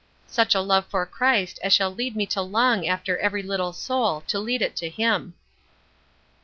"Such a love for Christ as shall lead me to long after every little soul to lead it to him."